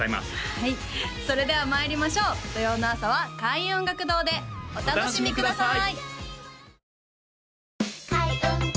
はいそれではまいりましょう土曜の朝は開運音楽堂でお楽しみください